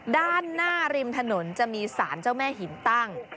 ด้านหน้าริมถนนจะมีสารเจ้าแม่หินตั้ง